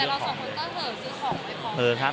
แต่เราสองคนก็เผ่อซื้อของไปคอมเลย